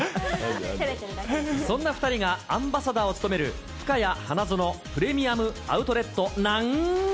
そんな２人がアンバサダーを務める、ふかや花園プレミアム・アウトレットなん。